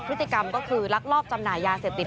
พฤติกรรมก็คือลักลอบจำหน่ายยาเสพติด